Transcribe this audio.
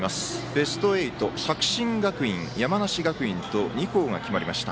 ベスト８、作新学院、山梨学院と２校が決まりました。